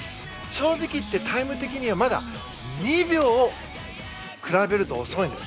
正直言ってタイム的にはまだ２秒比べると遅いんです。